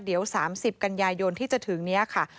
เดี๋ยว๓๐กันยายนที่จะถึงนี้ค่ะ